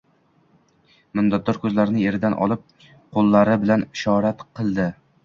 Minnatdor ko'zlarini eridan olib, qo'llari bilan ishorat qildi.